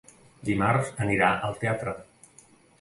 Dimarts anirà al teatre.